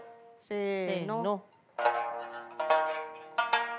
せの。